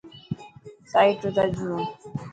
سائيٽ رو ترجمو.